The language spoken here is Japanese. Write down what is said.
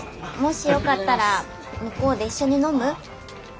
もしよかったら向こうで一緒に飲む？